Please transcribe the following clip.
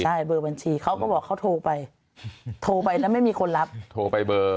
ใช่เบอร์บัญชีเขาก็บอกเขาโทรไปโทรไปแล้วไม่มีคนรับโทรไปเบอร์